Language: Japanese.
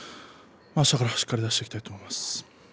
あしたから、しっかり出していきたいと思います。